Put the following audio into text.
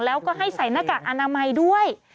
แล้วก็ให้ใส่หน้ากากอนามัยด้วย